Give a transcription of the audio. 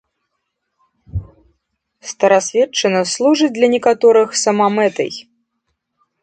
Старасветчына служыць для некаторых самамэтай.